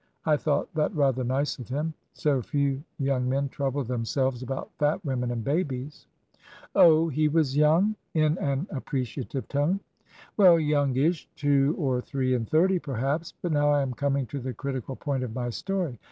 I thought that rather nice of him; so few young men trouble themselves about fat women and babies." "Oh! he was young?" in an appreciative tone. "Well, youngish; two or three and thirty, perhaps. But now I am coming to the critical point of my story.